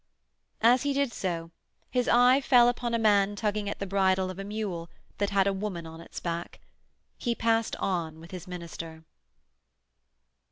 As he did so his eye fell upon a man tugging at the bridle of a mule that had a woman on its back. He passed on with his minister.